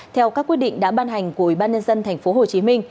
theo các quyết định đã ban hành của ủy ban nhân dân tp hcm